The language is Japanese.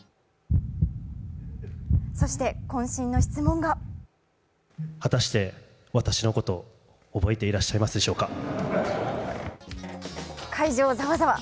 そして、こん身の質問が会場ざわざわ。